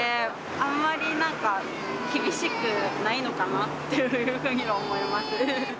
あまりなんか厳しくないのかっていうふうには思います。